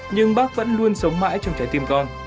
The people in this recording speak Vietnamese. nhưng bác vẫn luôn sống mãi trong trái tim con